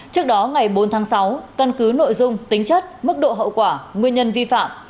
trước đó ngày bốn tháng sáu căn cứ nội dung tính chất mức độ hậu quả nguyên nhân vi phạm